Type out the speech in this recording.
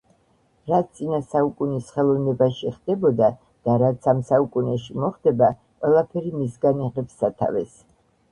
რაც წინა საუკუნის ხელოვნებაში ხდებოდა და რაც ამ საუკუნეში მოხდება, ყველაფერი მისგან იღებს სათავეს.